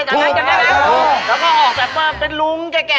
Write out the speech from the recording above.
ถูกแล้วก็ออกแบบว่าเป็นลุ้งแก่